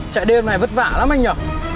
chạy đêm này vất vả lắm anh nhỉ